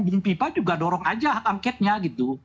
bung pipa juga dorong aja angketnya gitu